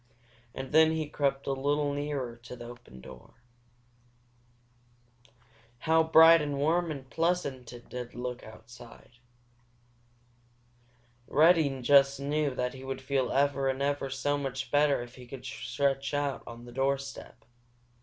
And then he crept a little nearer to the open door. How bright and warm and pleasant it did look outside! Reddy just knew that he would feel ever and ever so much better if he could stretch out on the doorstep.